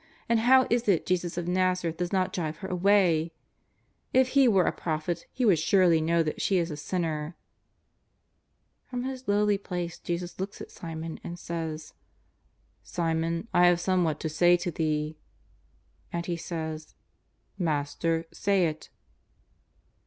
And how is it Jesus of IsTazareth does not drive her away? If He were a prophet He would surely know that she is a sinner. ."From His lowly place Jesus looks at Simon and says: ^ Simon, I have somewhat to say to thee.'* And he says :" Master, say it."